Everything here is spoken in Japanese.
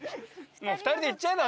もう２人で行っちゃえば？